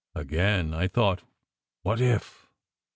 Again I thought, what if